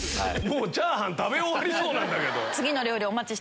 もうチャーハン食べ終わりそうなんだけど！